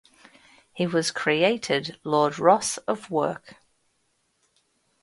He was created Lord Ross of Werke.